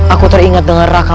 aku teringat dengan raka